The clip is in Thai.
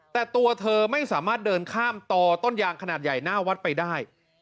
แต่ตัวเธอไม่สามารถเดินข้ามต่อต้นยางขนาดใหญ่หน้าวัดไปได้